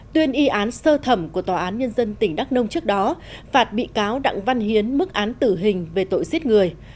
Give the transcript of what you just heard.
tuyên y án sơ thẩm của tòa án nhân dân tỉnh đắk nông trước đó phạt bị cáo đặng văn hiến mức án tử hình về tội giết người